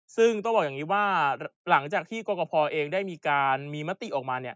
ซึ่งต้องบอกอย่างนี้ว่าหลังจากที่กรกภเองได้มีการมีมติออกมาเนี่ย